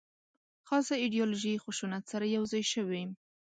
خاصه ایدیالوژي خشونت سره یو ځای شوې.